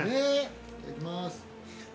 ◆いただきます。